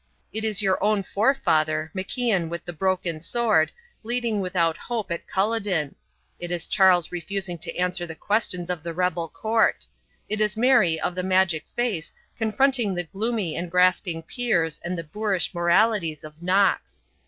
It is your own forefather, MacIan with the broken sword, bleeding without hope at Culloden. It is Charles refusing to answer the questions of the rebel court. It is Mary of the magic face confronting the gloomy and grasping peers and the boorish moralities of Knox.